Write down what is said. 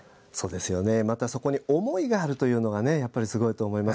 またそこに思いがあるというのがすごいと思います。